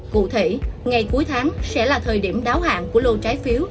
cụ thể ngày cuối tháng sẽ là thời điểm đáo hạng của lô trái phiếu